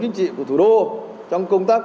chính trị của thủ đô trong công tác